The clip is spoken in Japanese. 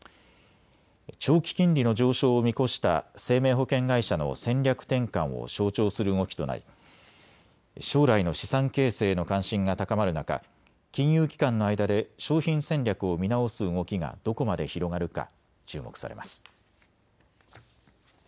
長期金利の上昇を見越した生命保険会社の戦略転換を象徴する動きとなり将来の資産形成への関心が高まる中、金融機関の間で商品戦略を見直す動きがどこまで広がるか注目されます。